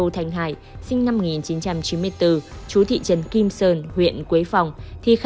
thằng mô đập gì